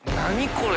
これ。